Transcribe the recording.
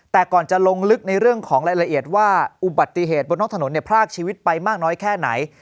แต่ก่อนจะลงลึกในเรื่องของรายละเอียดว่าอุบัติเหตุบนท้องถนนเนี่ยพรากชีวิตไปมากน้อยแค่ไหน